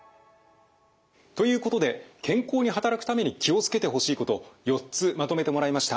ということで健康に働くために気を付けてほしいこと４つまとめてもらいました。